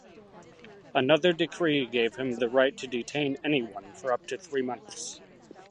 Another decree gave him the right to detain anyone for up to three months.